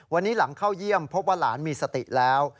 วันนี้หลังเข้าเยี่ยมพบว่าหลานมีสติแล้ว